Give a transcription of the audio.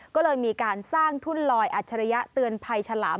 ก็เลยมีการสร้างทุ่นลอยอัจฉริยะเตือนภัยฉลาม